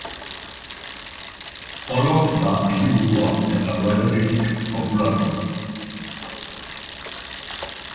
Olot da hiriburua eta udalerririk populatuena.